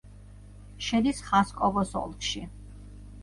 შედის ხასკოვოს ოლქში.